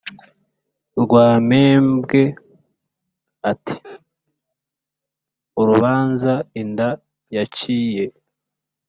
rwampembwe ati " urubanza inda yaciye